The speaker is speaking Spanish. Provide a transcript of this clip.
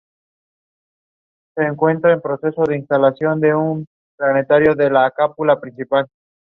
Es el hospital más grande de Israel, y en todo el Medio Oriente.